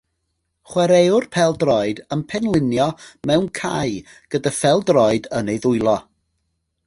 Chwaraewr pêl-droed yn penlinio mewn cae gyda phêl-droed yn ei ddwylo.